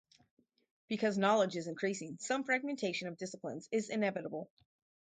Because knowledge is increasing, some fragmentation of disciplines is inevitable.